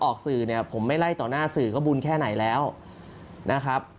ออกสื่อเนี่ยผมไม่ไล่ต่อหน้าสื่อก็บุญแค่ไหนแล้วนะครับ